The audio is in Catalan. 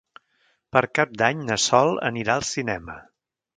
Per Cap d'Any na Sol anirà al cinema.